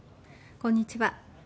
こんにちは。